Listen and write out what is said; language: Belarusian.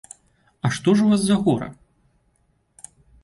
А што ж у вас за гора?